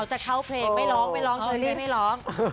เขาจะเข้าเพลงไปร้องไปร้องเตอรี่ไปร้อง